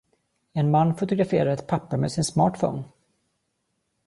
En man fotograferar ett papper med sin smartphone.